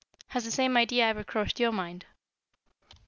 Has the same idea ever crossed your mind?"